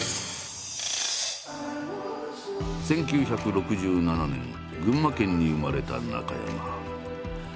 １９６７年群馬県に生まれた中山。